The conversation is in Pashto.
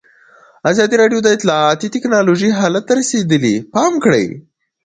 ازادي راډیو د اطلاعاتی تکنالوژي حالت ته رسېدلي پام کړی.